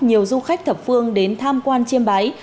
nhiều du khách thập phương đến tham quan chiêm bái